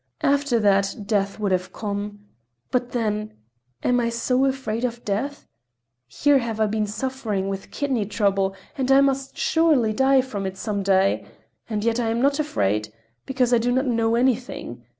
After that Death would have come—but then, am I so afraid of Death? Here have I been suffering with kidney trouble, and I must surely die from it some day, and yet I am not afraid—because I do not know anything.